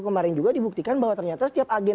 kemarin juga dibuktikan bahwa ternyata setiap agen